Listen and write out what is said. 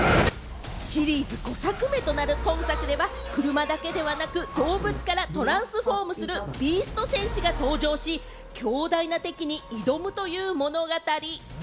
シリーズ５作目となる今作では、車だけではなく、動物からトランスフォームするビースト戦士が登場し、強大な敵に挑むという物語。